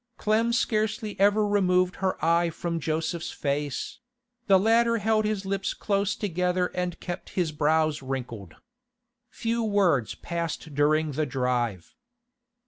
Clem scarcely ever removed her eye from Joseph's face; the latter held his lips close together and kept his brows wrinkled. Few words passed during the drive.